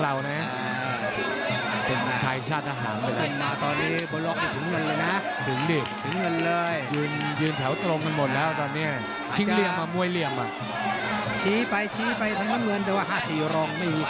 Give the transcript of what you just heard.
แล้วยกตัวอย่างดูอย่างไอ้เจ้าแสงมะเรียงซ้ายแบบนี้